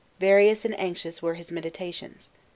Various and anxious were his meditations.